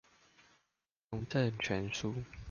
農政全書